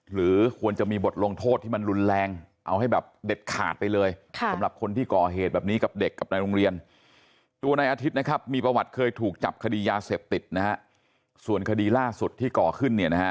หรือควรจะมีบทลงโทษที่มันรุนแรงเอาให้แบบเด็ดขาดไปเลย